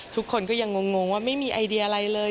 ทุกคนก็ยังงงว่าไม่มีไอเดียอะไรเลย